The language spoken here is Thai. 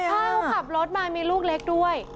ใช่เขาขับรถมามีลูกเล็กด้วย